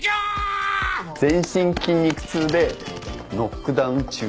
全身筋肉痛でノックダウン中。